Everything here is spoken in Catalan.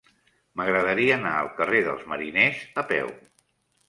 M'agradaria anar al carrer dels Mariners a peu.